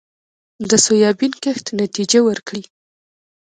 د سویابین کښت نتیجه ورکړې